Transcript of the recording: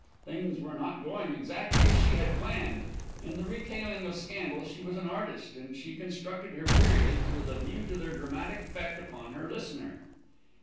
Things were not going exactly as she had planned. In the retailing of scandal, she was an artist, and she constructed her periods with a view to their dramatic effect upon her listener.